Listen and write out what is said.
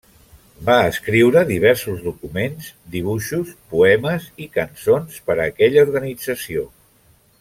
Va escriure diversos documents, dibuixos, poemes i cançons per a aquella organització.